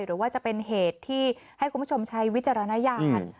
หรือว่าจะเป็นเหตุที่ให้คุณผู้ชมใช้วิจารณญาณ